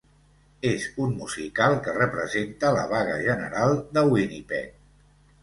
és un musical que representa la vaga general de Winnipeg.